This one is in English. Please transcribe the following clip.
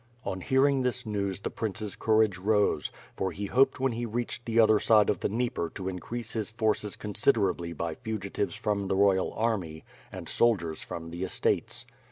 On hearing this news, the prince's courage rose, for he hoped when he reached the other side of the Dnieper to increase his forces considerably by fugitives from the royal army and soldiers from the estates.